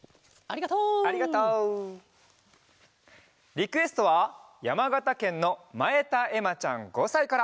リクエストはやまがたけんのまえたえまちゃん５さいから。